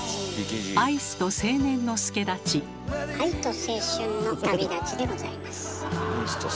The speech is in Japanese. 「愛と青春の旅だち」でございます。